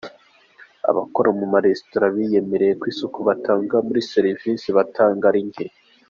Abakora mu maresitora biyemerera ko isuku muri serivise batanga ari nke